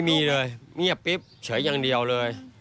มีเลยเงียบปุ๊บเฉยอย่างเดียวเลย